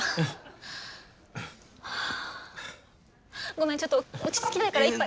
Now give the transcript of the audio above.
ごめんちょっと落ち着きたいから一杯。